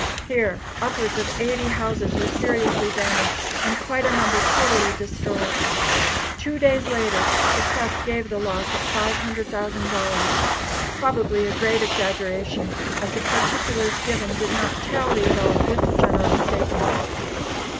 Here, upwards of eighty houses were seriously damaged, and quite a number totally destroyed. Two days later, the press gave the loss at $500,000 probably a great exaggeration, as the particulars given did not tally at all with the general statement.